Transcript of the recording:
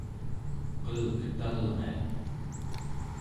qel'ketalria